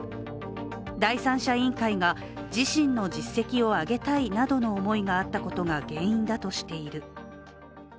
第三者委員会が自身の実績を上げたいなどの思いがあったことが原因だとしている。